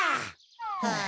はあ。